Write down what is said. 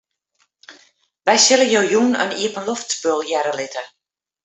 Wy sille jo jûn in iepenloftspul hearre litte.